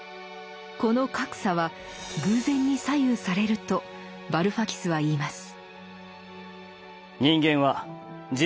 この格差は偶然に左右されるとバルファキスは言います。